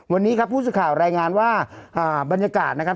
วันนี้ครับผู้สื่อข่าวรายงานว่าบรรยากาศนะครับ